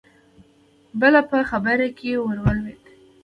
بل په خبره کې ورولوېد: